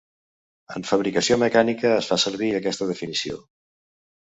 En fabricació mecànica es fa servir aquesta definició.